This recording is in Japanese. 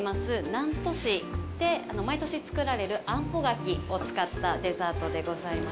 南砺市で毎年作られるあんぽ柿を使ったデザートでございます